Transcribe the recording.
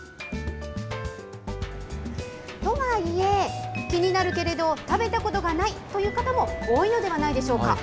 とはいえ、気になるけれど食べたことがないという方も多いのではないでしょうか。